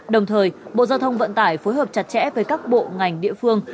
đồng thời bộ giao thông vận tải phối hợp chặt chẽ với các bộ ngành địa phương